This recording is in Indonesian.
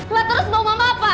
ma terus bau mama apa